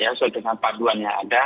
ya soal dengan paduan yang ada